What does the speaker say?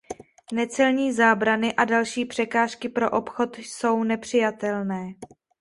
Necelní zábrany a další překážky pro obchod jsou nepřijatelné.